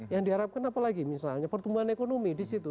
yang diharapkan apa lagi misalnya pertumbuhan ekonomi disitu